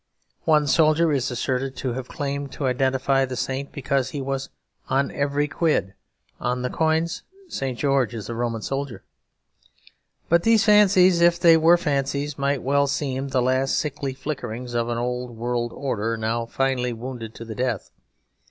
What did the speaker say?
One soldier is asserted to have claimed to identify the saint because he was "on every quid." On the coins, St. George is a Roman soldier. But these fancies, if they were fancies, might well seem the last sickly flickerings of an old world order now finally wounded to the death.